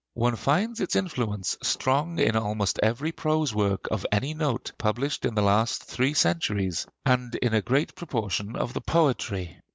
One finds its influence strong in almost every prose work of any note published in the last three centuries, and in a great proportion of the poetry.